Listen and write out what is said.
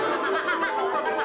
eh jangan jangan mak